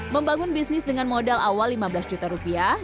membangun bisnis dengan modal awal lima belas juta rupiah